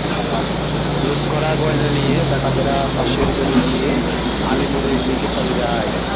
লুট করা গয়না নিয়ে ডাকাতেরা পাশের গলি দিয়ে আলীপুরের দিকে চলে যায়।